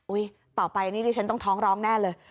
ต่อไปนี่ดิฉันต้องท้องร้องแน่เลย